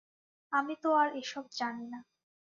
আমি তো আর এসব জানি না।